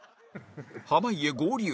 濱家合流